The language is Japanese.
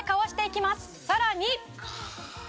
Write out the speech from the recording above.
「さらに」